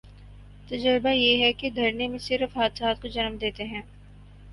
تجربہ یہ ہے کہ دھرنے صرف حادثات کو جنم دیتے ہیں۔